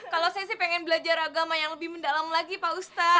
kalau saya sih pengen belajar agama yang lebih mendalam lagi pak ustadz